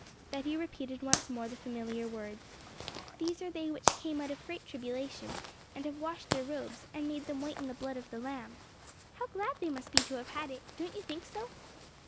Betty repeated once more the familiar words, '"These are they which came out of great tribulation, and have washed their robes, and made them white in the blood of the Lamb." How glad they must be to have had it! don't you think so?'